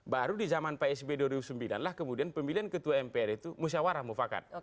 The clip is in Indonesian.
baru di zaman psb dua ribu sembilan lah kemudian pemilihan ketua mpr itu musyawarah mufakat